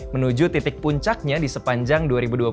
menuju titik puncaknya di sepanjang dua ribu dua puluh satu